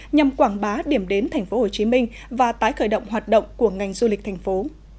nhằm quảng bá điểm đến tp hcm và tái khởi động hoạt động của ngành du lịch thành phố